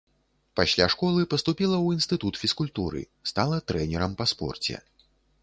Пасля школы паступіла ў інстытут фізкультуры, стала трэнерам па спорце.